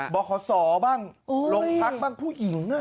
บอกขอสอบ้างหลงทักบ้างพุ่อยิงเหนือ